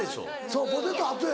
そうポテト後や。